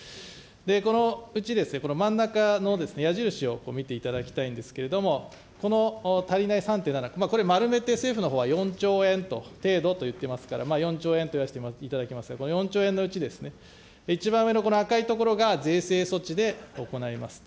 このうちこの真ん中の矢印を見ていただきたいんですけれども、この足りない３．７、これまるめて政府のほうは４兆円程度と言っていますので、４兆円と言わせていただきますけれども、この４兆円のうち、一番上のこの赤い所が税制措置で行いますと。